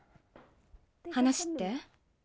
話って？